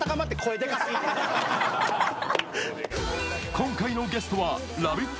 今回のゲストはラヴィット！